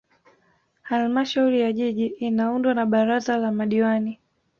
Halmashauri ya Jiji inaundwa na Baraza la Madiwani